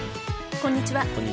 こんにちは。